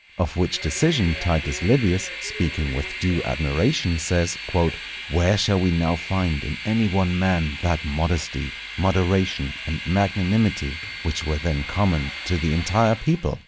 Of which decision Titus Livius, speaking with due admiration, says, "_Where shall we now find in any one man, that modesty, moderation, and magnanimity which were then common to the entire people?